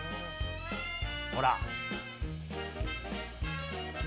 ほら。